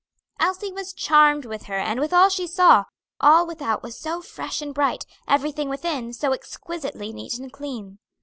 Elsie was charmed with her and with all she saw; all without was so fresh and bright, everything within so exquisitely neat and clean.